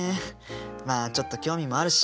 まあちょっと興味もあるし